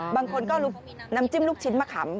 บางคนก็น้ำจิ้มลูกชิ้นมะขำ